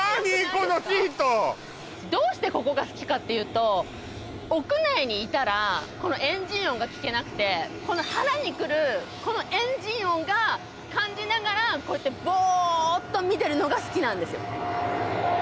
このシートどうしてここが好きかっていうと屋内にいたらこのエンジン音が聞けなくてこの腹にくるこのエンジン音が感じながらこうやってボーッと見てるのが好きなんですよ